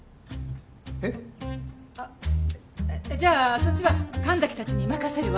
あっじゃあそっちは神崎たちに任せるわ。